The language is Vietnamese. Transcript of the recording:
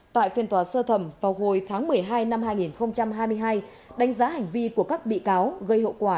tại phiên tòa sơ thẩm vào hồi tháng một mươi hai năm hai nghìn hai mươi hai đánh giá hành vi của các bị cáo gây hậu quả